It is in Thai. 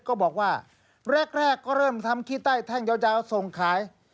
ก็บอกว่าแรกก็เริ่มทำขี้ใต้แท่งยาวส่งขาย